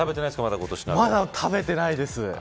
まだ食べてないです。